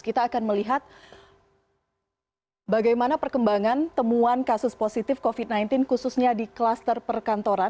kita akan melihat bagaimana perkembangan temuan kasus positif covid sembilan belas khususnya di kluster perkantoran